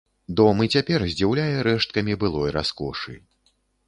Дом і цяпер здзіўляе рэшткамі былой раскошы.